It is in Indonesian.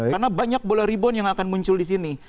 karena banyak bola rebound yang akan muncul di sini